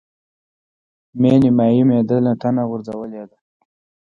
مې نيمایي معده له تنه غورځولې ده.